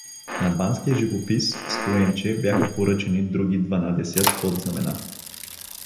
На банския живопис Стоенче бяха поръчани други дванадесят подзнамена.